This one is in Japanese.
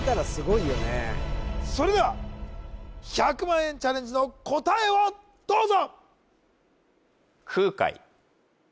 それでは１００万円チャレンジの答えをどうぞ！